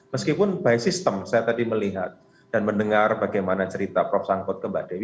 meskipun by system saya tadi melihat dan mendengar bagaimana cerita prof sangkut ke mbak dewi